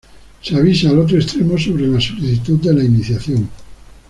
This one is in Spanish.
Se avisa al otro extremo sobre la solicitud de la iniciación.